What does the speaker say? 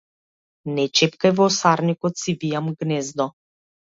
Не чепкај во осарникот, си вијам гнездо!